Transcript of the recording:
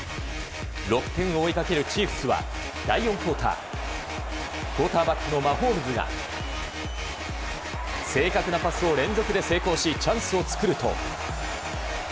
６点を追いかけるチーフスは第４クオータークオーターバックのマホームズが正確なパスを連続で成功しチャンスを作ると。